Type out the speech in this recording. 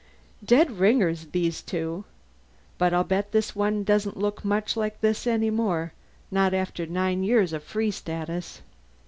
"Dead ringers, these two. But I'll bet this one doesn't look much like this any more not after nine years of Free Status!"